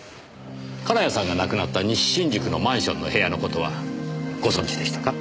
金谷さんが亡くなった西新宿のマンションの部屋の事はご存じでしたか？